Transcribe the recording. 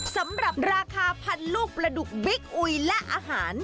สำหรับราคาพันลูกประดุกบิ๊กอุยและอาหาร